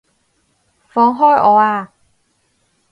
放開我啊！